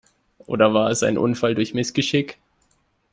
Oder war es ein Unfall durch Missgeschick?